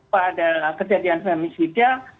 pada kejadian femisida